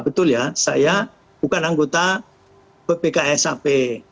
betul ya saya bukan anggota bpksap